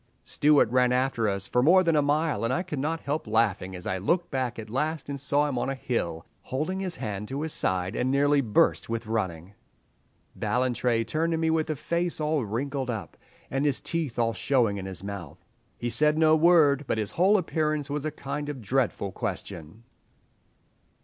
"Stewart ran after us for more than a mile, and I could not help laughing as I looked back at last and saw him on a hill, holding his hand to his side, and nearly burst with running. "Ballantrae turned to me with a face all wrinkled up, and his teeth all showing in his mouth…. He said no word, but his whole appearance was a kind of dreadful question.